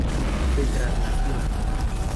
De traslación.